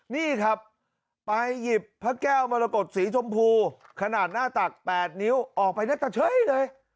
นี่ครับไปหยิบพระแก้วมรกฏสีชมพูขนาดหน้าตัก๘นิ้วออกไปหน้าตาเฉยเลย